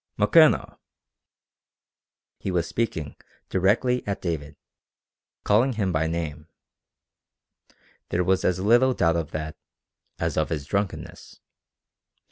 "McKenna!" He was speaking directly at David calling him by name. There was as little doubt of that as of his drunkenness.